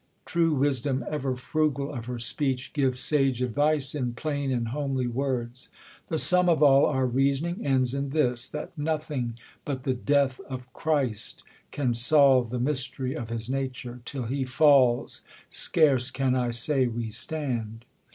True wisdom, ever frugal of her speech, Gives sasre advice in plain and homely words. The sum of all our reasoning ends m this, That nothing but the death of Christ can solve The myst'ry of his nature : till he falls, Scarce can I say we stand.